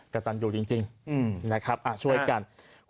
กระตันอยู่จริงนะครับช่วยกัน